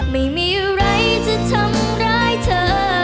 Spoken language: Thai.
ไม่มีอะไรจะทำร้ายเธอ